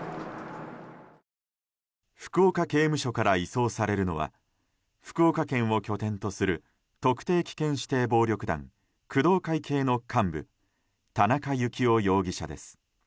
福岡刑務所から移送されるのは福岡県を拠点とする特定危険指定暴力団工藤会系の幹部田中幸雄容疑者です。